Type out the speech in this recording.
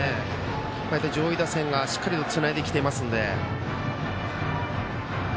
こうして上位打線がしっかりつないできているので。